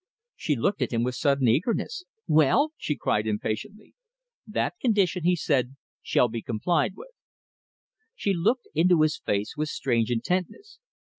She looked at him with sudden eagerness. "Well?" she cried, impatiently. "That condition," he said, "shall be complied with." She looked into his face with strange intentness.